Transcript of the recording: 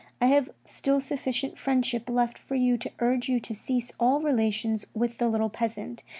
I have still sufficient friendship left for you to urge you to cease all relations with the little peasant.